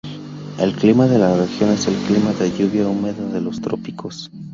El clima de la región es el clima de lluvia húmeda de los trópicos.